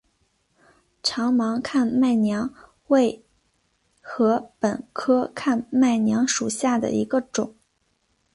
长芒看麦娘为禾本科看麦娘属下的一个种。